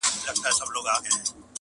چي وهل یې د سیند غاړي ته زورونه٫